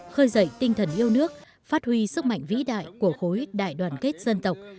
khơi dậy tinh thần yêu nước phát huy sức mạnh vĩ đại của khối đại đoàn kết dân tộc